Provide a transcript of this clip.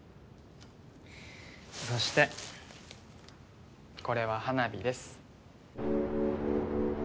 そしてこれは花火です。